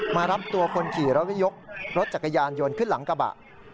มารับตัวคนขี่แล้วก็ยกรถจักรยานยนต์ขึ้นหลังกระบะ